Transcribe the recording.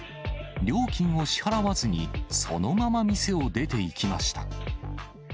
料金を支払わずに、そのまま店を出ていきました。